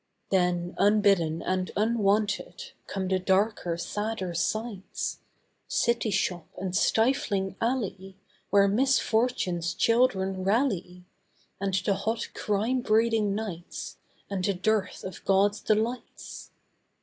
Then unbidden and unwanted, Come the darker, sadder sights; City shop and stifling alley, Where misfortune's children rally; And the hot crime breeding nights, And the dearth of God's delights.